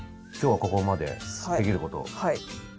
はい。